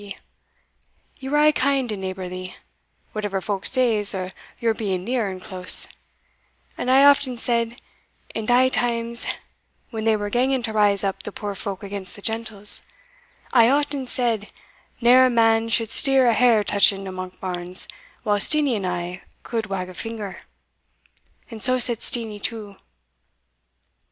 Ye were aye kind and neighbourly, whatever folk says o' your being near and close; and I hae often said, in thae times when they were ganging to raise up the puir folk against the gentles I hae often said, neer a man should steer a hair touching to Monkbarns while Steenie and I could wag a finger and so said Steenie too.